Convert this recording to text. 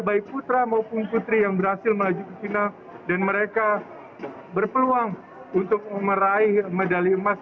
baik putra maupun putri yang berhasil melaju ke china dan mereka berpeluang untuk meraih medali emas